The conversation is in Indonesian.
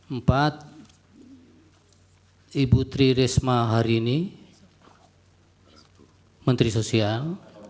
empat ibu tri risma harini menteri sosial